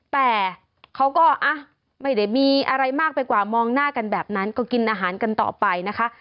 แต่เขาก็ไม่ได้มีอะไรมากไปกว่ามองหน้ากันแบบนั้นก็กินอาหารกันต่อไปนะคะ